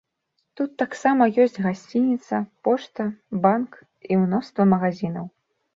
Тут таксама ёсць гасцініца, пошта, банк і мноства магазінаў.